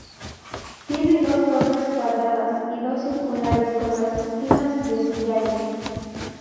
Tiene dos torres cuadradas y dos circulares con las esquinas de sillares.